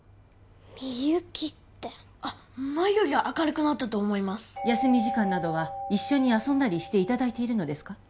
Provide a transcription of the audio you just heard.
みゆきってあっ前よりは明るくなったと思います休み時間などは一緒に遊んだりしていただいているのですか？